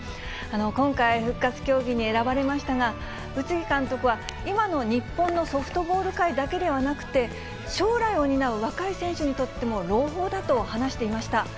今回、復活競技に選ばれましたが、うつぎ監督は今の日本のソフトボール界だけではなくて、将来を担う若い選手にとっても朗報だと話していました。